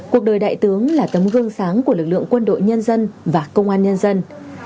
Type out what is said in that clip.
cuộc đời đại tướng là tấm gương sáng của lực lượng quân đội nhân dân và công an nhân dân